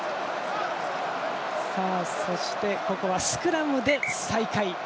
そして、ここはスクラムで再開。